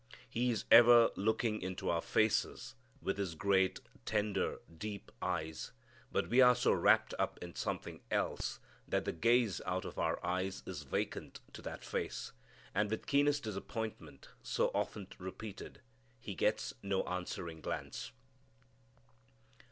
He is ever looking into our faces with His great, tender, deep eyes, but we are so wrapped up in something else that the gaze out of our eyes is vacant to that Face, and with keenest disappointment, so often repeated, He gets no answering glance.